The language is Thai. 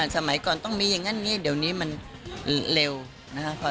สมัยก่อนต้องมีอย่างนั้นอย่างนี้เดี๋ยวนี้มันเร็วนะครับ